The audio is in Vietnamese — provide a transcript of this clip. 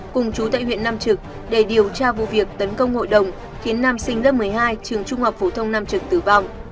cùng chú tại huyện nam trực để điều tra vụ việc tấn công hội đồng khiến nam sinh lớp một mươi hai trường trung học phổ thông nam trực tử vong